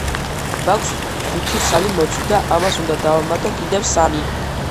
მაქვს ხუთი ცალი მოცვი და ამას უნდა დავამატო კიდევ სამი.